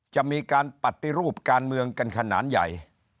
จะมีการปฏิรูปการเมืองกันขนาดใหญ่